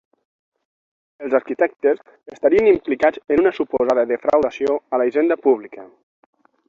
Els arquitectes estarien implicats en una suposada defraudació a la Hisenda Pública.